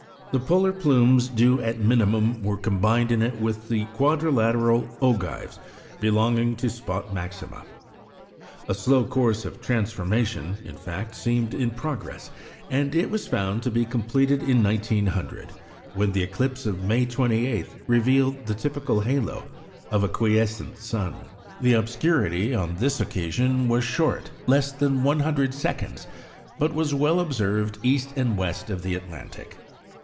The polar plumes due at minimum were combined in it with the quadrilateral ogives belonging to spot maxima. A slow course of transformation, in fact, seemed in progress; and it was found to be completed in 1900, when the eclipse of May 28 revealed the typical halo of a quiescent sun. The obscurity on this occasion was short less than 100 seconds but was well observed east and west of the Atlantic.